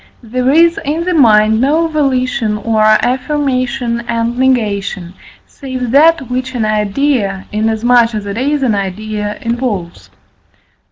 There is in the mind no volition or affirmation and negation, save that which an idea, inasmuch as it is an idea, involves.